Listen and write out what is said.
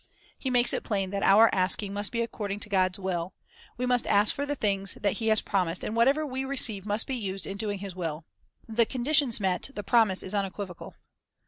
1 He makes it plain that our asking must be according to God's will; we must ask for the things that He has promised, and whatever we receive must be used in doing His will. The conditions met, the promise is unequivocal.